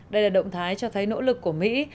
đây là động thái cho thấy nỗ lực của mỹ